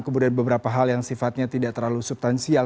kemudian beberapa hal yang sifatnya tidak terlalu subtansial